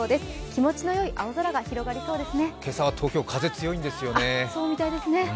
気持ちよい晴れ間が広がりそうですね。